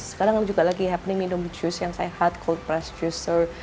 sekarang juga lagi happening minum jus yang sehat cold press juicer